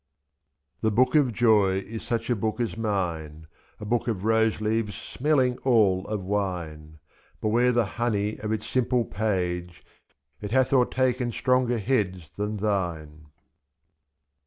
94 The Book of Joy is such a book as mine, A book of rose leaves smelHng all of wine, 23y. Beware the honey of its simple page — It hath overtaken stronger heads than thine.